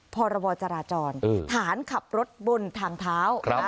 พรบจราจรฐานขับรถบนทางเท้า